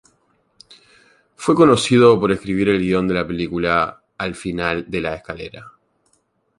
Fue conocido por escribir el guion de la película "Al final de la escalera".